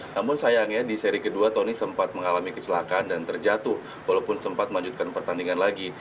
namun sayangnya di seri kedua tony sempat mengalami kecelakaan dan terjatuh walaupun sempat melanjutkan pertandingan lagi